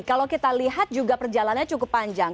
kalau kita lihat juga perjalanannya cukup panjang